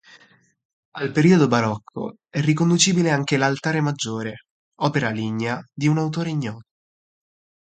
Al periodo barocco è riconducibile anche l'altare maggiore, opera lignea di autore ignoto.